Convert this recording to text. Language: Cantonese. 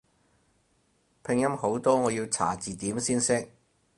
拼音好多我要查字典先識